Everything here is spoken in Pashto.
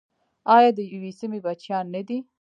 آیا د یوې سیمې بچیان نه دي؟